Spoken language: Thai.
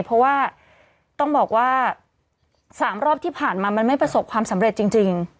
เพราะว่าต้องบอกว่า๓รอบที่ผ่านมามันไม่ประสบความสำเร็จจริง